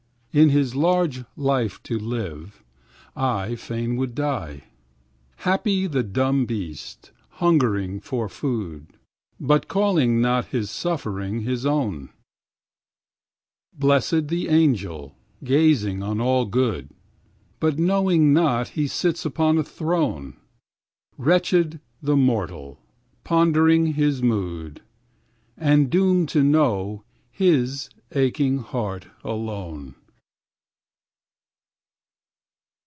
8In his large life to live, I fain would die.9Happy the dumb beast, hungering for food,10But calling not his suffering his own;11Blessèd the angel, gazing on all good,12But knowing not he sits upon a throne;13Wretched the mortal, pondering his mood,14And doomed to know his aching heart alone.